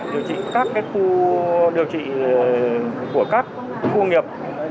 điều trị các khu điều trị của các khu nghiệp